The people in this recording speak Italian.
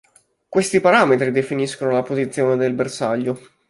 Questi parametri definiscono la posizione del bersaglio.